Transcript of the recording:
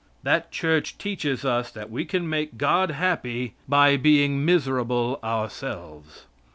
That Church teaches us that we can make God happy by being miserable ourselves.